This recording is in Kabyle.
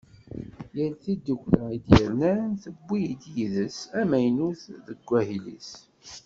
Yal tiddukkla i d-yernan, tewwi-d yid-s amaynut deg wahil-is.